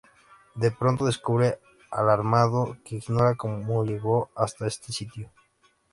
De pronto, descubre alarmado que ignora cómo llegó hasta ese sitio.